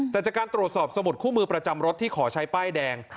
แต่จากการตรวจสอบสมุดคู่มือประจำรถที่ขอใช้ป้ายแดง